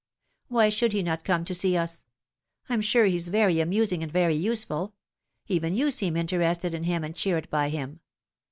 Why should he not come to see us ? I'm sure he's very amusing and very useful. Even you seem interested in him and cheered by him.